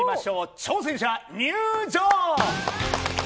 挑戦者、入場。